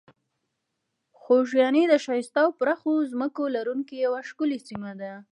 خوږیاڼي د ښایسته او پراخو ځمکو لرونکې یوه ښکلې سیمه ده.